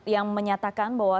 yang menyatakan bahwa